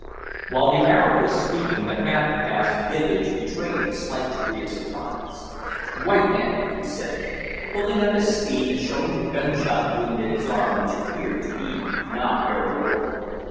While the Arab was speaking, the half caste's visage betrayed a slight degree of surprise. "White men!" he said, pulling up his sleeve and showing a gun shot wound in his arm which appeared to be not very old.